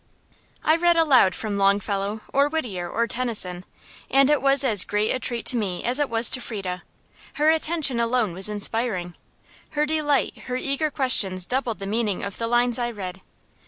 I read aloud from Longfellow, or Whittier, or Tennyson; and it was as great a treat to me as it was to Frieda. Her attention alone was inspiring. Her delight, her eager questions doubled the meaning of the lines I read.